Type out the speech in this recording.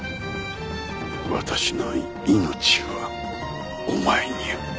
私の命はお前に預けた。